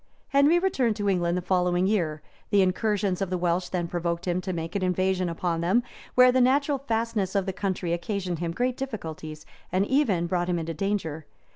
Henry returned to England the following year: the incursions of the Welsh then provoked him to make an invasion upon them; where the natural fastnesses of the country occasioned him great difficulties, and even brought him into danger.